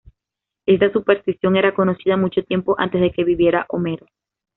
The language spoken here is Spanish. Esta superstición era conocida mucho tiempo antes de que viviera Homero.